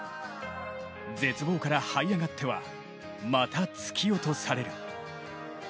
絶望からはい上がってはまた突き落とされる。